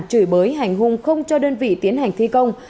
chửi bới hành hung không cho đơn vị tiến hành thi công